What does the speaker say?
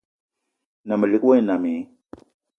Na melig wa e nnam i?